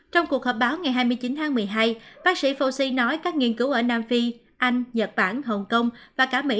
trong cuộc họp báo ngày hai mươi chín tháng một mươi hai bác sĩ foxi nói các nghiên cứu ở nam phi anh nhật bản hồng kông và cả mỹ